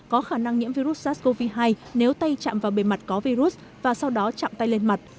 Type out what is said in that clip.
có khả năng nhiễm virus sars cov hai nếu tay chạm vào bề mặt có virus và sau đó chạm tay lên mặt